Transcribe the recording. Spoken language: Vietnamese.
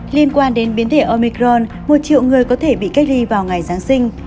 liên quan đến biến thể omicron một triệu người có thể bị cách ly vào ngày giáng sinh